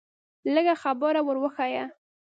لږه خبره ور وښیه.